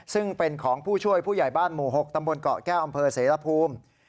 ซึ่งเป็นของผู้ช่วยผู้ใหญ่บ้านหมู่๖ตำบลเกาะแก้วอำเภอเสรภูมิ